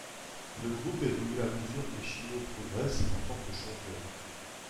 Le groupe évolue à mesure que Chino progresse en tant que chanteur.